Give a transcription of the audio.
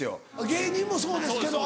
芸人もそうですけど。